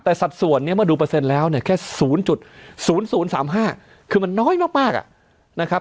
แต่สัดส่วนเนี่ยเมื่อดูเปอร์เซ็นต์แล้วเนี่ยแค่๐๐๓๕คือมันน้อยมากนะครับ